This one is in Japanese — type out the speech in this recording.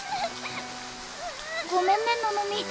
ごめんねののみ。